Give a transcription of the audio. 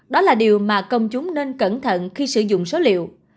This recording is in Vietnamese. đó là điều mà công chúng nên cẩn thận khi sử dụng số liệu